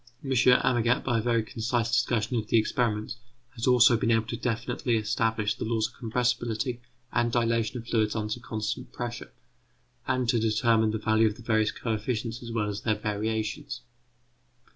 M. Amagat, by a very concise discussion of the experiments, has also been able to definitely establish the laws of compressibility and dilatation of fluids under constant pressure, and to determine the value of the various coefficients as well as their variations.